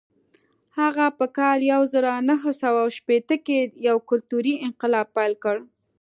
هغه په کال یو زر نهه سوه شپېته کې یو کلتوري انقلاب پیل کړ.